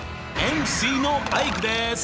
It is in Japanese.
ＭＣのアイクです！